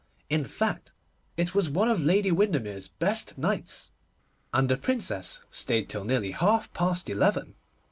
In fact, it was one of Lady Windermere's best nights, and the Princess stayed till nearly half past eleven.